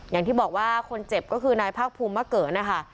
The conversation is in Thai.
อย่างที่บอกว่าคนเจ็บก็คือนายภาคภูมิมะเกิดนะคะ